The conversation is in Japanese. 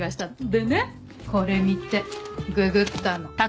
でねこれ見てググったの。